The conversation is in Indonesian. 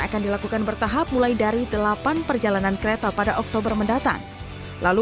akan dilakukan bertahap mulai dari delapan perjalanan kereta pada oktober mendatang lalu